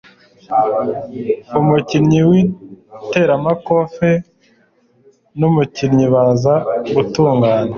Umukinnyi w'iteramakofe n'umukinnyi baza kutugana.